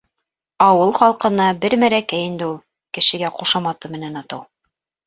— Ауыл халҡына бер мәрәкә инде ул, кешегә ҡушаматы менән атау.